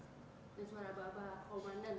dan suara ababa komandan